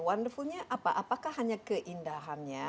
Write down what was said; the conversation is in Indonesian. wonderful nya apa apakah hanya keindahannya